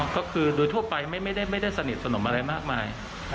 ก็คือโดยทั่วไปไม่ได้สนิทสนมอะไรมากมาย